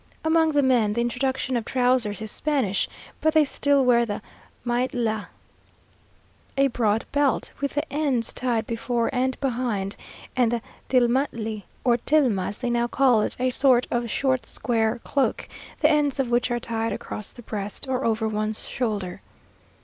Among the men, the introduction of trousers is Spanish but they still wear the majtlatl, a broad belt, with the ends tied before and behind, and the tilmatli or tilma as they now call it, a sort of square short cloak, the ends of which are tied across the breast, or over one shoulder.